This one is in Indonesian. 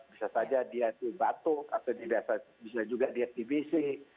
bisa saja dia itu batuk atau bisa juga diet tbc